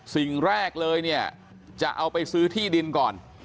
สิ่งแรกเลยเนี่ยจะเอาไปซื้อที่ดินก่อน